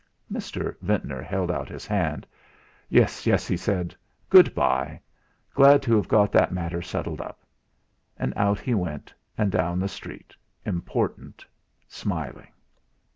Mr. Ventnor held out his hand. "Yes, yes," he said; "goodbye. Glad to have got that matter settled up," and out he went, and down the street, important, smiling.